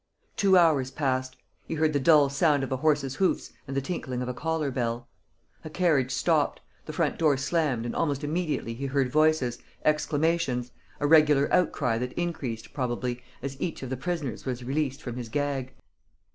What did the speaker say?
Two hours passed. He heard the dull sound of a horse's hoofs and the tinkling of a collar bell. A carriage stopped, the front door slammed and almost immediately he heard voices, exclamations, a regular outcry that increased, probably, as each of the prisoners was released from his gag.